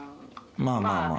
まあまあまあ。